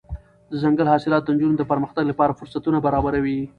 دځنګل حاصلات د نجونو د پرمختګ لپاره فرصتونه برابروي.